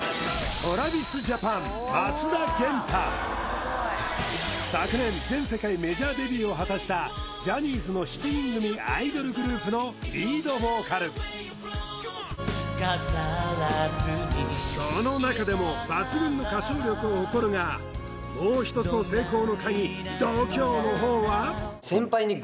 違う昨年全世界メジャーデビューを果たしたジャニーズの７人組アイドルグループのリードボーカル飾らずにその中でも抜群の歌唱力を誇るがもう一つの成功の鍵度胸の方は？